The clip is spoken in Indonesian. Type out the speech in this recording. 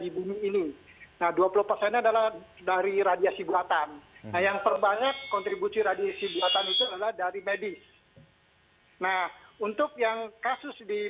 baik terima kasih